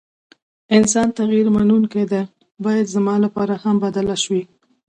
انسان تغير منونکي ده ، بايد زما لپاره هم بدله شوې ،